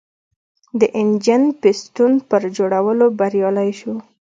د انجن پېسټون پر جوړولو بریالی شو.